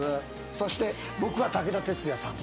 そして僕は武田鉄矢さん。